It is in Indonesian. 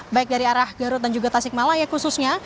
baik dari arah garut dan juga tasikmalaya khususnya